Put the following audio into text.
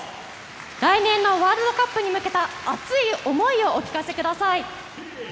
来年のワールドカップに向けた熱い思いをお聞かせください。